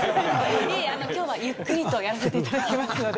いえ今日はゆっくりとやらせて頂きますので。